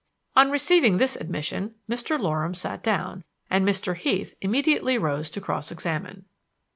On receiving this admission Mr. Loram sat down, and Mr. Heath immediately rose to cross examine.